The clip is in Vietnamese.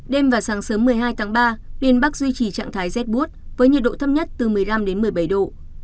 đêm và sáng sớm một mươi hai tháng ba miền bắc duy trì trạng thái rét bút với nhiệt độ thấp nhất từ một mươi năm đến một mươi bảy độ